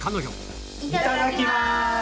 いただきます。